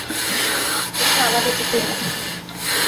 উঠে আমাদের দিকে এলেন।